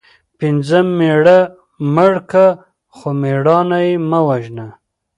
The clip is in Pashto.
پنځم:مېړه مړ که خو مړانه یې مه وژنه